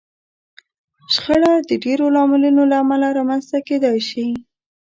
شخړه د ډېرو لاملونو له امله رامنځته کېدای شي.